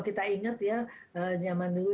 kita ingat ya zaman dulu